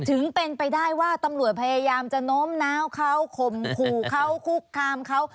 ถึงเป็นไปได้ว่าตำรวจพยายามจะโน้มน้าวเขาข่มขู่เขาคุกคามเขา